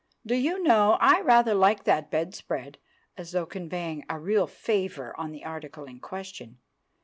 Do you know, I rather like that bedspread"—as though conveying a real favour on the article in question.